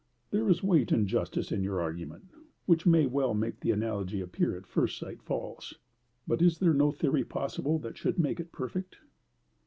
"There is weight and justice in your argument, which may well make the analogy appear at first sight false. But is there no theory possible that should make it perfect?"